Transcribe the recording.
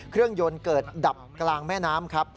เครื่องยนต์เกิดดับกลางแม่น้ำครับ